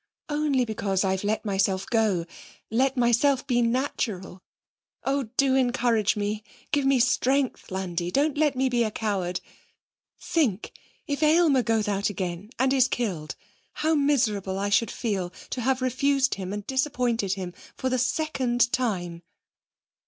'Only because I've let myself go let myself be natural! Oh, do encourage me give me strength, Landi! Don't let me be a coward! Think if Aylmer goes out again and is killed, how miserable I should feel to have refused him and disappointed him for the second time!'